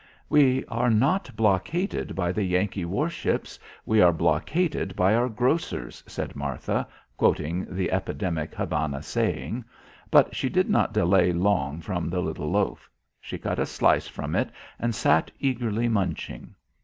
"'We are not blockaded by the Yankee warships; we are blockaded by our grocers,'" said Martha, quoting the epidemic Havana saying. But she did not delay long from the little loaf. She cut a slice from it and sat eagerly munching.